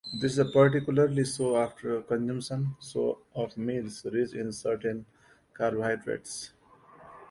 This is particularly so after consumption of meals rich in certain carbohydrates.